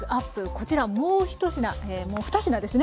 こちらもう１品もう２品ですね。